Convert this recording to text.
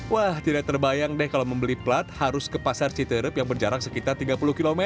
wah tidak terbayang deh kalau membeli plat harus ke pasar citerep yang berjarak sekitar tiga puluh km